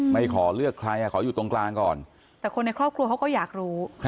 ไม่ขอเลือกใครขออยู่ตรงกลางก่อนแต่คนในครอบครัวเขาก็อยากรู้